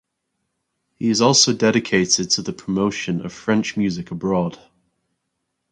He is also dedicated to the promotion of French music abroad.